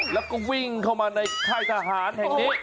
แล้วก็วิ่งเข้ามาในค่ายทหารแห่งนี้